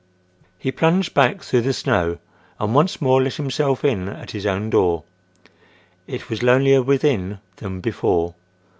He plunged back through the snow and once more let himself in at his own door. It was lonelier within than before.